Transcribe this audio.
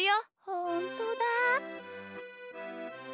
ほんとだ！